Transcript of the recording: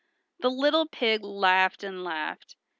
The little pig laughed and laughed.